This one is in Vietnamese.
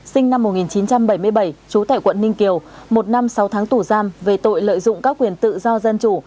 sinh năm một nghìn chín trăm bảy mươi bảy trú tại quận ninh kiều một năm sáu tháng tù giam về tội lợi dụng các quyền tự do dân chủ